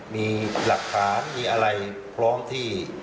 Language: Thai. มีหลักฐานมีอะไรพร้อมที่